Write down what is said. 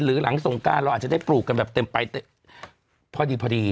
หลังสงการเราอาจจะได้ปลูกกันแบบเต็มไปพอดีพอดี